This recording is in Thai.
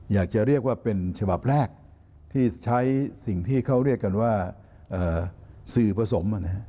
อยากจะเรียกว่าเป็นฉบับแรกที่ใช้สิ่งที่เขาเรียกกันว่าสื่อผสม